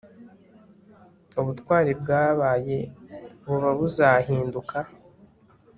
ubutwari bwabaye buba buzahinduka